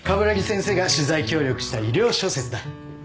鏑木先生が取材協力した医療小説だ。